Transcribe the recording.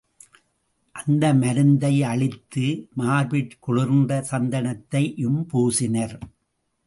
அந்த மருந்தை அளித்து மார்பிற் குளிர்ந்த சந்தனத்தையும் பூசினர்.